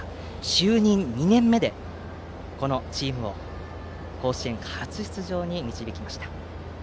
就任２年目で、このチームを甲子園初出場に導きました。